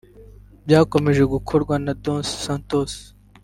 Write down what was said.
byakomeje gukorwa na Dos Santos